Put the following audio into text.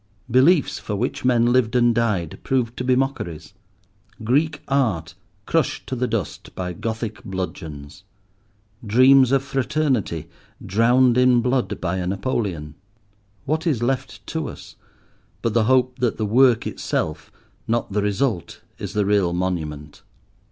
Beliefs for which men lived and died, proved to be mockeries. Greek Art crushed to the dust by Gothic bludgeons. Dreams of fraternity, drowned in blood by a Napoleon. What is left to us, but the hope that the work itself, not the result, is the real monument?